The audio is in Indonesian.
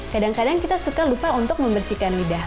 kadang kadang kita suka lupa untuk membersihkan lidah